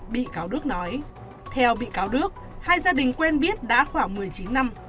bi cáo đước nói theo bi cáo đước hai gia đình quen biết đã khoảng một mươi chín năm